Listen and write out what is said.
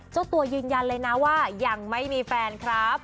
เจ้าตัวยืนยันเลยนะว่ายังไม่มีแฟนครับ